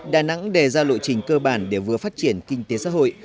đà nẵng đề ra lộ trình cơ bản để vừa phát triển kinh tế xã hội